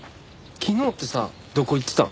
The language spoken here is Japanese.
昨日ってさどこ行ってたん？